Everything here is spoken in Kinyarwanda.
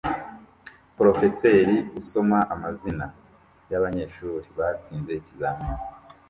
Porofeseri usoma amazina yabanyeshuri batsinze ikizamini